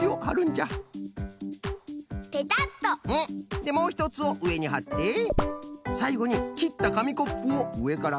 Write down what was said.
でもうひとつをうえにはってさいごにきったかみコップをうえからかぶせる！